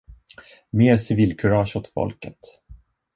Mer civilkurage åt folket.